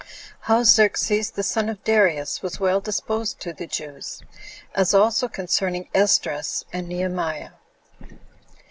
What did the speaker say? How Xerxes The Son Of Darius Was Well Disposed To The Jews; As Also Concerning Esdras And Nehemiah.